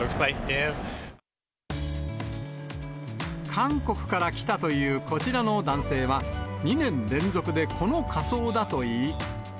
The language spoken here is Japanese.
韓国から来たというこちらの男性は、２年連続でこの仮装だと言い。